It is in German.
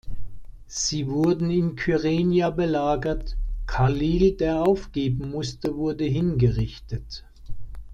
Sie wurden in Kyrenia belagert, Khalil, der aufgeben musste, wurde hingerichtet.